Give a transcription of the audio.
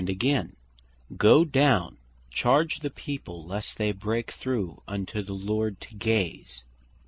"Get down, charge the people, lest they break through unto the Lord to gaze."